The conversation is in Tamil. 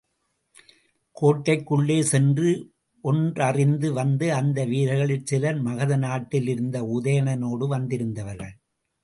கோட்டைக்குள்ளே சென்று ஒற்றறிந்து வந்த அந்த வீரர்களிற் சிலர், மகத நாட்டிலிருந்து உதயணனோடு வந்திருந்தவர்கள்.